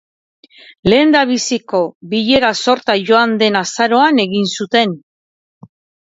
Lehendabiziko bilera-sorta joan den azaroan egin zuten.